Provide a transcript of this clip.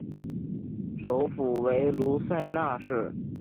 首府为卢塞纳市。